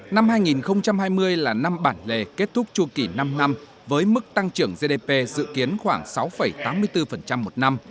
năm hai nghìn hai mươi là năm bản lề kết thúc chu kỳ năm năm với mức tăng trưởng gdp dự kiến khoảng sáu tám mươi bốn một năm